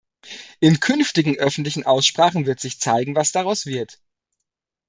In künftigen öffentlichen Aussprachen wird sich zeigen, was daraus wird.